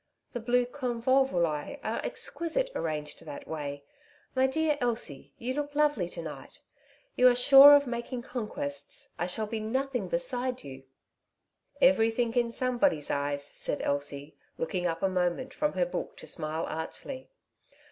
"The blue convolvuli are exquisite, arranged that way. My dear Elsie, you look lovely to night. Ton are sure of making conquests. I shall be nothing beside you/' " Everything in somebody's eyes," said Elsie, looking up a moment from her book to smile archly.